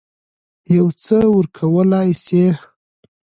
یو څه ورکولای سي.